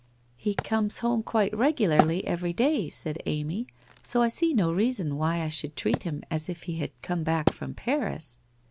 ' He comes home quite regularly every day/ said Amy, * so I see no reason why I should treat him as if he had come back from Paris.